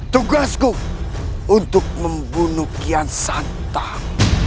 tugasku untuk membunuh kian santah